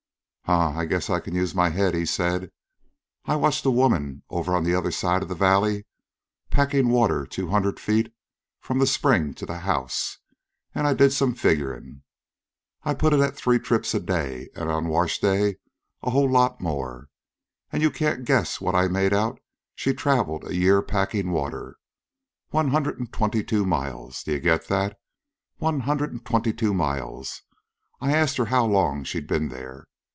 "Huh! I guess I can use my head," he said. "I watched a woman over on the other side of the valley, packin' water two hundred feet from the spring to the house; an' I did some figurin'. I put it at three trips a day and on wash days a whole lot more; an' you can't guess what I made out she traveled a year packin' water. One hundred an' twenty two miles. D'ye get that? One hundred and twenty two miles! I asked her how long she'd been there.